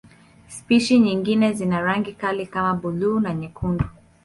Spishi nyingine zina rangi kali kama buluu na nyekundu.